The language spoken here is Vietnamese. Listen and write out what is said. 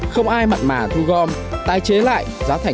không ai mặt mà thu gom tài chế lại